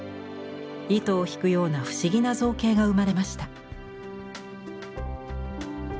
糸を引くような不思議な造形が生まれました。